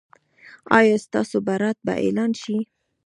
ایا ستاسو برات به اعلان شي؟